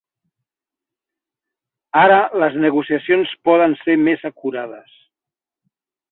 Ara les negociacions poden ser més acurades.